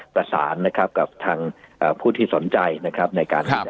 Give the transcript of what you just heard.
ประสานนะครับกับทางผู้ที่สนใจนะครับในการที่จะ